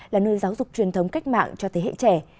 là nơi giáo dục truyền thống cách mạng cho thế hệ trẻ